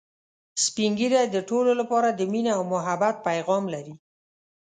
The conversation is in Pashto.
سپین ږیری د ټولو لپاره د ميني او محبت پیغام لري